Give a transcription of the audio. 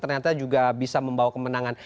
ternyata juga bisa membawa kemenangan